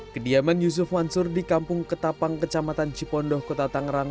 kediaman yusuf mansur di kampung ketapang kecamatan cipondoh kota tangerang